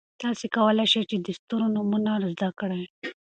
تاسي کولای شئ د ستورو نومونه زده کړئ.